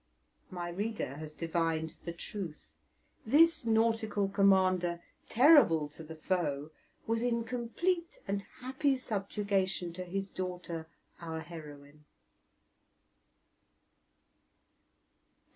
My reader has divined the truth; this nautical commander, terrible to the foe, was in complete and happy subjugation to his daughter, our heroine.